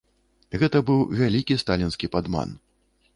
Гэта быў вялікі сталінскі падман.